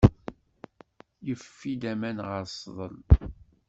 Yeffi-d aman ɣer sḍel.